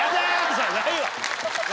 じゃないわ。